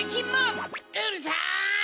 うるさい！